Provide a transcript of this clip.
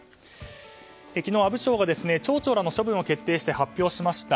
昨日、阿武町が町長らの処分を決定して発表しました。